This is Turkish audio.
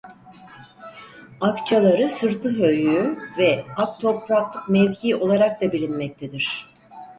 Akçaları Sırtı Höyüğü ve Aktopraklık Mevkii olarak da bilinmektedir.